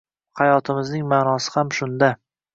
Hayotimizning ma’nosi ham shunda.